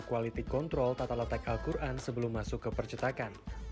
kualitas kontrol tata letak al quran sebelum masuk ke percetakan